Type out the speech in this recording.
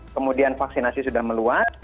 kemudian vaksinasi sudah meluat